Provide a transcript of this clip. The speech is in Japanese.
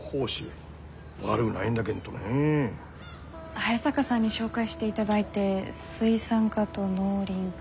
早坂さんに紹介していただいて水産課と農林課